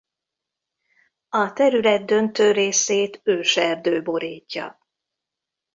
A terület döntő részét őserdő borítja.